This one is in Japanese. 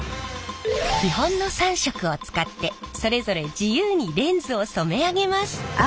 基本の３色を使ってそれぞれ自由にレンズを染め上げます。